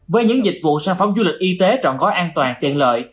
với những dịch vụ sản phẩm du lịch y tế trọn gói an toàn tiện lợi